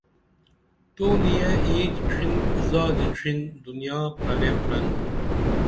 تو نِیہ اینچ ڇِھن زادی ڇِھن دنیا پرلے پرل